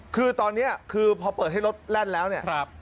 คือตอนนี้คือพอเปิดให้รถแล่นแล้วเนี่ย